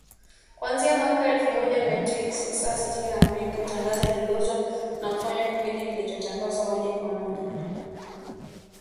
Kuanzia mwaka elfu moja mia tisa sitini na mbili , matangazo yaligeuzwa na kufanywa kipindi kilichotangazwa moja kwa moja, kila siku kutoka Washington